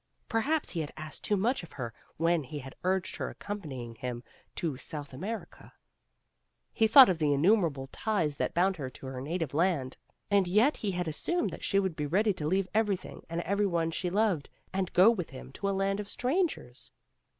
Perhaps he had asked too much of her when he had urged her accompanying him to South America. He thought of the innumerable ties that bound her to her native land, and yet he had assumed that she would be ready to leave everything and every one she loved, and go with him to a land of strangers.